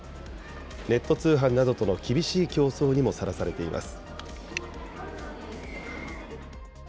ネット通販などとの厳しい競争にもさらされています。